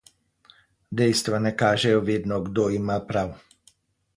Dejstva ne kažejo vedno, kdo ima prav.